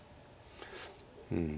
うん。